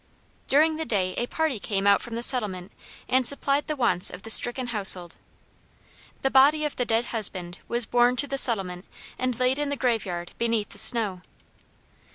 During the day a party came out from the settlement and supplied the wants of the stricken household. The body of the dead husband was borne to the settlement and laid in the graveyard beneath the snow.